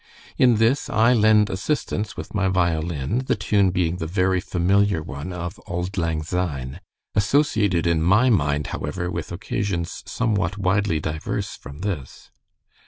In this I lend assistance with my violin, the tune being the very familiar one of 'Auld Lang Syne,' associated in my mind, however, with occasions somewhat widely diverse from this.